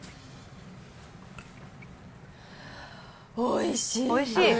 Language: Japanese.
おいしい。